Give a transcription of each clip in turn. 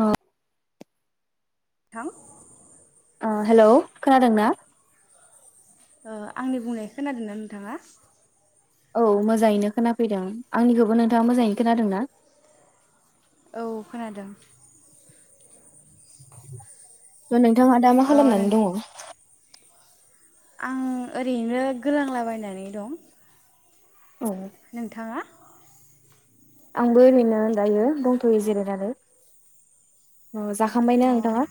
औ। नोंथां। ओ हेल' खोनादों ना? ओ आंनि बुंनाय खोनादोंना नोंथाङा? औ मोजाङैनो खोनाफैदों आंनिखौबो नोंथाङा मोजाङैनो खोनादोंना? औ खोनादों। नोंथाङा दा मा ओ नों खालामनानै दङ? आं ओरैनो गोलांलाबायनानै दं। औ नोंथाङा? आंबो ओरैनो दायो दंथ'यो जिरायनानै। अ जाखांबाय अ ना नोंथाङा?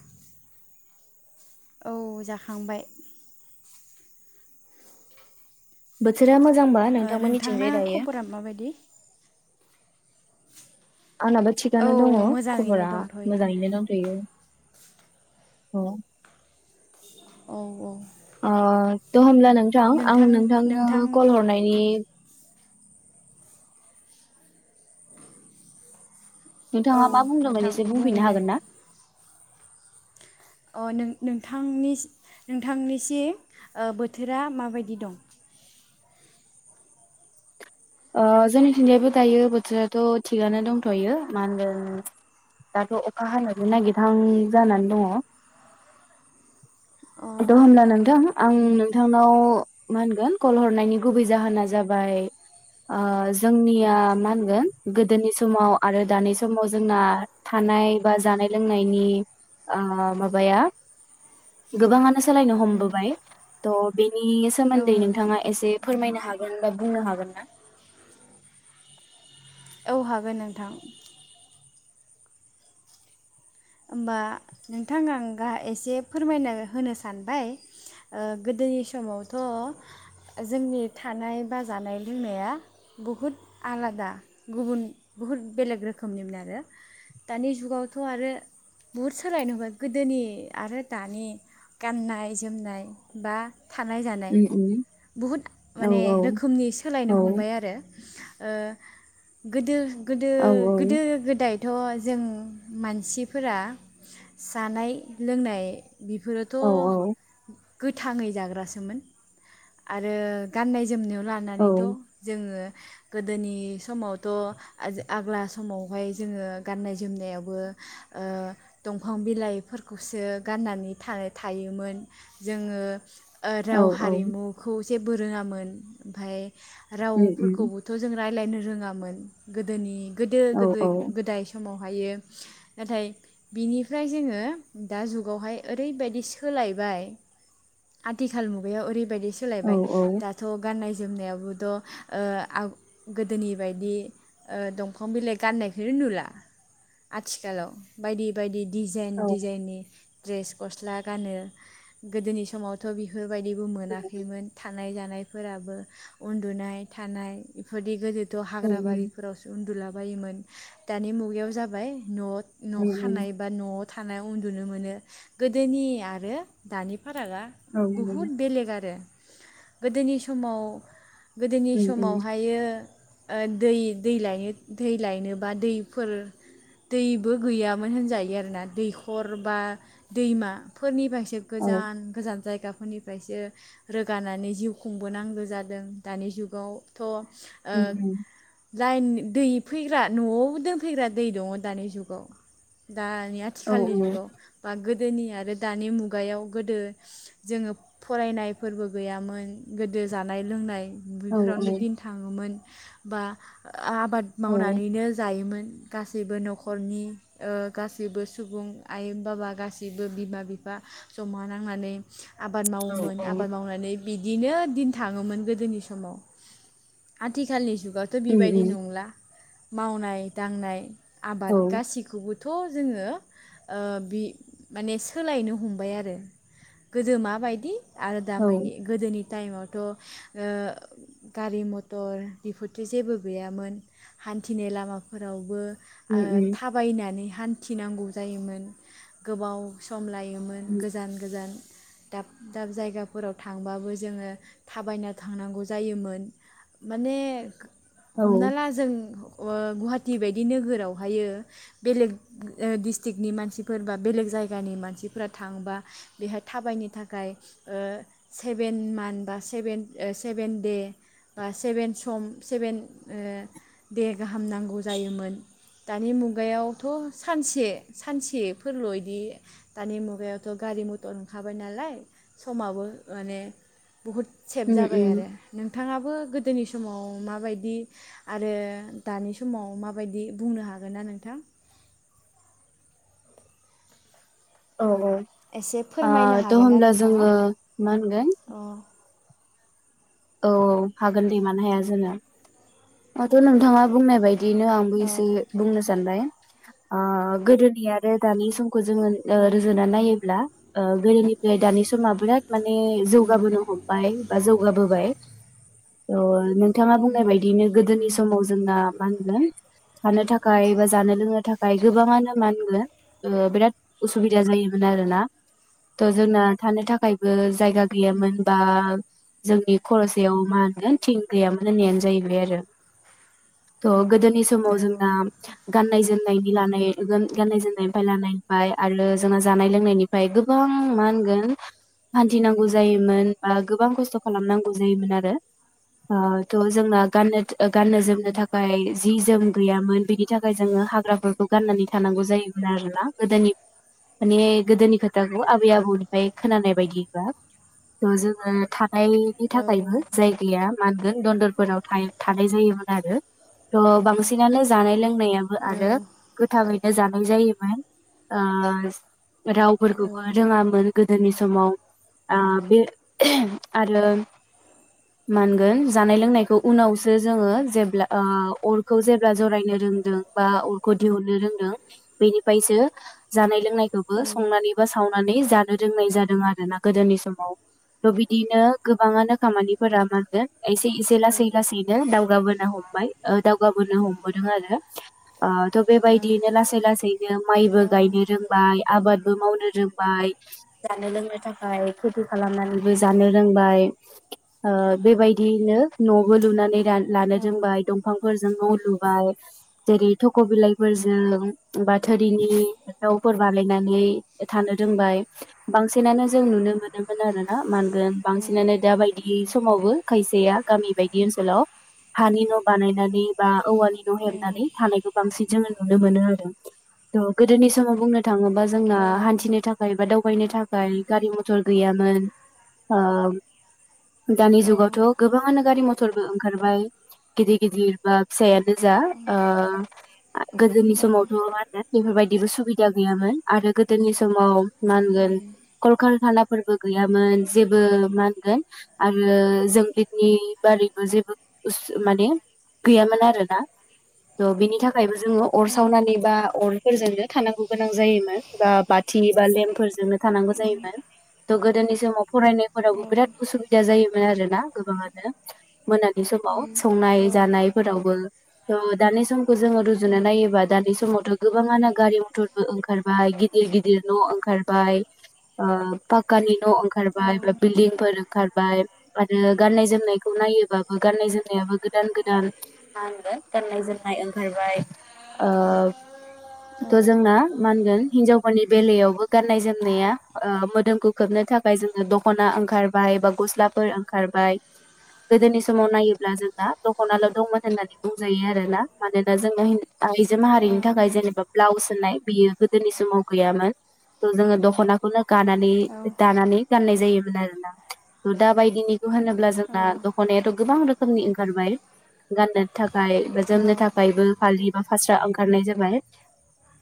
औ जाखांबाय। बोथोरा मोजांबा ओ नोंथांना नोंथांमोननिथिंजाय दायो? खबरा माबायदि? आंनाबो औ थिगानो दङ मोजाङैनो खबरा दंथ'यो मोजाङैनो दंथ'यो। औ। औ औ। ओ थ' होमब्ला नोंथां आं नोंथांनो कल हरनायनि औ नोंथाङा मा बुंदोंमोन नोंथां एसे बुं बुंफिननो दे हागोन ना? अ नो नोंथांनि नोंथांनिसि ओ बोथोरा माबायदि दं? ओ जोंनिथिंजायबो दायो बोथोराथ' थिगनो दंथ'यो मा होनगोन? दाथ' अखा हानायानो नागिरहां जानानै दङ। अ त होनब्ला नोंथां आं नोंथांनाव मा होनगोन कल हरनायनि गुबै जाहोना जाबाय बाय ओ जोंनिया मा होनगोन गोदोनि समाव आरो दानि समाव जोंना था नाय बा जानाय लोंनायनि ओ माबाया गोबाङानो सोलायनो हमबोबाय थह बेनि औ सोमोन्दै नोंथां नोंथाङा एसे फोरमायनो हागोन बा बुंनो हागोन ना? औ हागोन नोंथां। होमबा नोंथां आं गाह एसे फोरमायना होनो सानबाय। ओ गोदोनि समावथ' जोंनि थानाय बा जानाय लोंनाया बुहुद आलादा गुबुन बुहुत बेलेग रोखोमनिमोन आरो दानि जुगावथ' आरो बुहुद सोलायनो हुबाय गोदोनि आरो दानि गाननाय जोमनाय बा थानाय जानाय उम उम बुहुद औ माने रोखोमनि औ सोलायनो हमबाय आरो। ओ गोदो गोदो औ गोदो गोदायथ' जों मानसि फोरा जानाय लोंनाय बेफोरोथ' औ गोथाङै जाग्रासोमोन आरो गाननाय जोमनायाव औ लानानैथ' जोङो गोदोनि समावथ' ओ आग्ला समावहाय जोङो गाननाय जोमनायावबो ओ [inaudible] दंफां बिलाइफोरखौसो गाननानै था थायोमोन जोङो ओ औ राव औ हारिमुखौ जेबो रोङामोन ओमफाय उम उम रावफोरखौबोथ' जों रायलायनो रोङामोन गोदोनि गोदो औ गोदो औ गोदाय समावहायो नाथाय बिनिफ्राय जोङो दा जुगावहाय ओरैबायदि सोलायबाय आथिखाल मुगायाव ओरैबायदि सोलायबाय औ दाथ' गाननाय जोमनायावबोथ' ओ आ गोदोनि बायदि ओ दंफां बिलाइ गाननायखौनो नुला आथिखालाव बायदि बायदि डिजाइन औ डिजाइननि द्रेस गस्ला गानो गोदोनि समावथ' बेफोरबायदिबो औ मोनाखैमोन थानाय जाना नाय फोराबो‌ उन्दुनाय थानाय बेफोरदि गोदोथ' हाग्रा बारिफोराव सो उन्दुला बायोमोन दानि मुगायाव जाबाय न' न' औ खानाय बा न' थानायाव उन्दुनो मोनो गोदोनि आरो दानि फारागा औ बुहुद बेलेग आरो गोदोनि समाव गोदोनि औ समावहायो ओ दै दै लायनो दै लायनो बा दैफोर दै बो गैयामोन होनजायो आरोना दैखर बा दैमाफोरनि बाय से गोजान गोजान जायगा फोरनिफ्रायसो रोगानानै जिउ खुंबोनांगौ जादों दानि जुगावथ' ओ लाइन दै फैग्रा न'आव दोनफैग्रा दै दङ' दानि जुग दानि आथिखालनि जुगाव बा गो गोदोनि आरो दानि मुगायाव गोदो जोङो फरायनायफोरबो गैयामोन गोदो जानाय लोंनाय औ बेफोरावनो दिन थाङोमोन बा आबाद मावनानैनो जायोमोन गासैबो न'खर खरनि गासैबो सुबुं आय बाबा गाैबो बिमा बिफा जमा नां नानै आबाद मावोमोन आबाद मावनानै बिदिनो दिन थाङोमोन गोदोनि समाव आथिखालनि जुग गाथ' बेबायदि नंला मावनाय दांनाय आबाद गासिखौबो थ' जोङो ओ बि माने सोलायनो हमबाय आरो गोदो माबायदि आरो दा मायदि गोदोनि टाइमावथ' ओ गारि मटर बिफोरथि जेबो गैयामोन हान्थिनाय लामाफोरावबो आ थाबायनानै हान्थिनांगौ जायोमोन गोबाव समलाय योमोन गोजान गोजान दाब दाब जायगाफोराव थांबाबो जोङो थाबायना थांनांगौ जायोमोन माने हमना ला जों ओ गुवाहाटि बायदि नोगोराव बेवहायो बेलेग ओ डिस्ट्रिकनि मानसिफोर बा बेलेग जायगानि मानसिफोरा थांबा बेहाय थाबायनो थाखाय ओ सेभेन मान बा सेेभेन ओ सेभेन दे बा सेभेन सम सेभेन ओ दे गाहाम नांगौ जायोमोन। दानि मुगायावथ' सानसे सानसेफोरल' इदि दानि मुगायावथ' गारि मटर ओंखारबाय नालाय समाबो माने बुहुद सेभ जाबाय आरो औ नोंथाङाबो गो‌ दोनि समाव माबायदि आरो दानि समाव माबायदि बुंनो हागोन ना नोंथां औ औ एसे आ फोरमायनो थ' हागोन ना होमब्ला नोंथाङा जोङो मा होनगोन अ औ औ हागोन दे मानो हाया जानो ओ थ' नोंथाङा बुंनाय बायदि दिनो आंबो औ एसे बुंनो सानबाय आ गोदोनि आरो दानि सम जोङो उम रोजुना औ नायोब्ला ओ गोदोनिफ्राय दानि समा बिराद माने जौगाबोनो हमबाय बा जौगाबोबाय औ नोंथाङा बुंनाय बायदियैनो गोदोनि समाव जोंना मा होनगोन थानो थाखाय बा जानो लोंनो थाखाय गोबाङानो मान होनगोन ओ बिराद उसुबिदा जायोमोन आरोना थ' जोंना थानो थाखायबो जायगा उम गैयामोन बा जोंनि खर' सायाव मा होनगोन थिं गैयामोन होननायानो जाहैबाय आरो थ' गोदो‌ बि समाव औ जों दा गाननाय जोम। नायनि लानाय गोन गाननाय जोमनायनिफ्राय लानायनिफ्राय आरो जोंना जानाय लोंनायनिफ्राय गोबां मान गोन हानथिनांगौ जायोमोन बा गोबां खस्थ' खालामनांगौ। जायोमोन आरो ओ थ' जोंना गानो गाननो जोमनो थाखाय। जि जोम गैयामोन बेनि थाखाय जोङो हाग्राफोरखौ गाननानै थानांगौ जायोमोन आरोना गोदोनि। माने गोदोनि खोथाखौ आबै आबौनिफ्राय खोनानाय बायदिबा थ' जोङो थानायनि औ थाखायबो जायगाया मानगोन दन्दरफोराव थाय थानाय जायोमोन आरो थ' बांसिनानो जानाय लों नायाबो आरो गोथाङैनो जानाय जायोमोन। ओ रावफोरखौबो ओ रोङामोन गोदोनि समाव आ बे आरो [inaudible] मोनगोन जानाय लोंनायखौ उनावसो जोङो जेब्ला ओ अरखौ जेब्ला जरायनो रों बा अरखौ दिहुननो रोंदों बेनिफायसो जानाय लोंनायखौबो संनानै बा सावनानै जा नो रोंनाय जादों आरोना गोदोनि समाव थ' बिदिनो गोबाङानो खामानिफोरा मा होनगोन एसे एसे औ उम औ लासै लासैनो दावगाबोनो हमबाय ओ दावगाबोनो हमबोदों आरो‌। ओ त' बेबायदियैनो लासै लासैनो माइबो गायनो रोंबाय आबादबो मावनो रोंबाय जानो लोंनो थाखाय खेथि खालामनानैबो जानो रोंबाय। ओ बेबायदियैनो न'बो लुनानै रा लानो रोंबाय दंफांफोरजों न' लु लुबाय जेरै थख' बिलाइफोरजों बा थोरिनि दाउफोर बानायना नै थानो रोंबाय बांसिनानो जों नुनो मोनोमोन आरोना मा होनगोन बांसिनानो बायदि समावबो खायसेया गामि बायदि ओनसोलाव हानि न' बानायनानै बा औवानि न' हेबनानै थानायखौ बांसिन जोङो नुनो मोनो आरो त' गोदोनि समाव बुंनो थाङोबा जोंना हान्थिनो थाख खाय बा दावबायनो थाखाय गारि मथर गैयामोन ओम दानि जुगावथ' गोबाङानो गारि मथरबो ओंखारबाय गिदिर गिदिर बा [unintelligible] नोजा ओ गोदोनि समावथ' उम मा होनो बेफोरबायदिबो सुबिदा गैयामोन आरो गोदोनि समाव मा होनगोन कलकारखानाफोरबो गैयामोन जेबो मान गोन आरो जों बिदनि बारैबो जेबो उसु माने गैयामोन आरो ना त' बिनि थाखायबो जोङो अर औ सावनानै बा अर फोरजोंनो थानांगौ गोनां जायोमोन बा बाथिनि बा लेम्पफोरजोंनो थानांगौ जायोमोन। थ' गोदोनि समाव फरायनायफोरावबो बिराद उसुबिदा जायोमोन आरोना गोबाङानो। मोनानि समाव उम औ संनाय जानायफोरावबो थ' दानि सम खौ जोङो रुजुनो नायोबा दानि समावथ' गोबाङानो गारि मथरबो ओंखारबाय गिदिर गिदिर न' ओंखारबाय ओ पाक्कानि न' ओंखारबाय बा बिल्दिं फोर ओंखारबाय आरो गाननाय-जोमनायखौ नायोबाबो गाननाय-जोमनायाबो गोदान गोदान मानगोन गाननाय जोमनाय ओंखारबाय ओ थ' जोंना मानगोन हिनजावफोरनि बेलायावबो गाननाय जोमनाया ओ मोदोमखौ खोबनो थाखाय जोंना दख'ना ओंखार बायबा गस्लाफोर ओंखारबाय। गोदोनि समाव नायोब्ला जों दा दख'नाल' दंमोन होननानै बुंजायो आरोना मानोना जोंनो हिन आइजो औ माहारिनि थाखाय जेनेबा ब्लाउस होननाय बियो गोदोनि समाव गैयामोन थ' जोङो दख'नाखौनो गानानै दानानै गाननाय जायोमोन आरोना दा बायदिनिखौ होनोब्ला औ जोंना दख'नायाथ' गोबां रोखोमनि ओंखारबाय गाननो थाखाय बा जोमनो औ थाखायबो फालि फास्रा ओंखारनाय जाबाय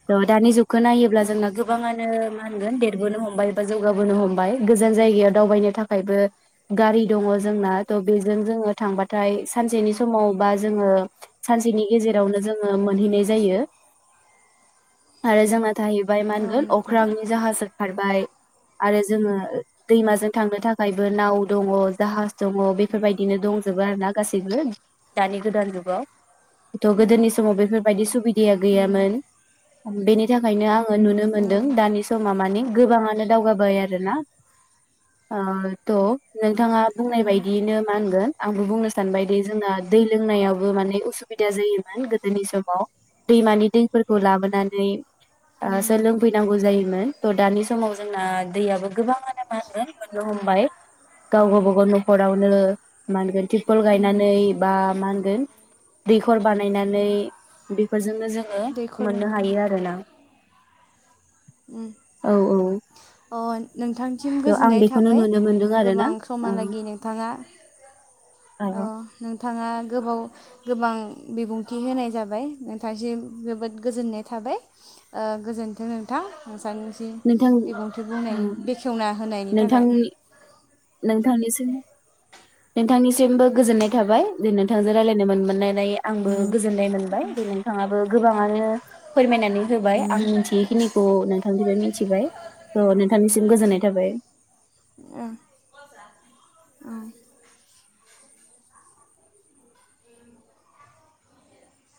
थ' दानि जुग खो नायोब्ला औ जोंना नोंथां गोबाङानो मा होनगोन बे हमबाय बा जौगाबोनो हमबाय गोजान जायगायाव दावबायनो थाख खायबो गारि दङ जोंना थ' बेजों जोङो थांबाथाय सानसेनि समाव बा जोङो सानसेनि गेजेरावनो जोङो मोनहैनाय जायो आरो जों थाहैबाय मा औ होनगोन नोंथां अख्रांनि जाहास खारबाय आरो जोङो दैमाजों थांनो थाख नाव दङ जाहाज दङ बेफोरबायदिनो दंजोबो आरो ना गासैबो दानि गोदान जुगाव थ' ओं गोदोनि समाव बेफोरबायदि सुबिदाया गैयामोन बेनि थाखायनो आं आङो नुनो औ मोनदों दानि समा मानि गोबाङानो दावगाबाय आरोना थ' नोंथाङा बुंनाय ओं बायदियैनो मा होनगोन आंबो बुंनो सानबाय दे जोंना दै लोंनायावबो माने उसुबिदा जायोमोन गोदोनि समाव दैमानि दैफोरखौ लाबोनानै सोलोंफैनांगौ जायो। थ' दानि समाव जोंना दैयाबो गोबाङानो मा होनगोन मोननो हमबाय गाव बागाव न'खरावनो मा होनगोन तिपल गायनानै बा मा होनगोन दैखर बानायनानै बेफोर जोङो दैखर मोननो हायो उम आरोना औ औ अ नोंथांसिम थ' आं गोजोननाय बेखौनो थाबाय नुनो मोनदों आरो ना गोबां औ समालागि नोंथाङा अ नोंथाङा गोबाव गो गोबां बिबुंथि होनाय जाबाय नोंथांसिम जोबोद गोजोननाय थाबाय गो नोंथां आं नोंथां बिबुंथि औ बुंनायनि बेखेवना होनायनि थाखाय नोंथांनि नोंथांनिसिमबो गोजोननाय थाबाय नोंथांजों राय्लायनो मोननाय। आंबो गोजोननाय मोनबाय बे नोंथाङाबो गोबाङानो फोरमायनानै होबाय आं मिथियखिनिखौ। औ मिथिबाय नोंथांनिसिम गोजोननाय थाबाय। ओं ओं